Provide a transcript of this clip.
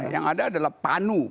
yang ada adalah panu